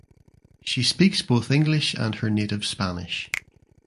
She speaks both english and her native spanish.